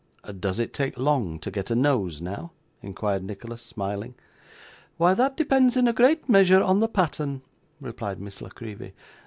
'Does it take long to get a nose, now?' inquired Nicholas, smiling. 'Why, that depends in a great measure on the pattern,' replied Miss La Creevy.